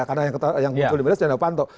karena yang muncul di belanda sinyalano panto